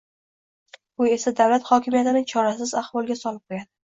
bu esa davlat hokimiyatini chorasiz ahvolga solib qo‘yadi.